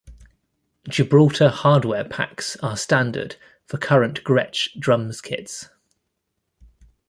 Gibraltar hardware packs are standard for current Gretsch Drums kits.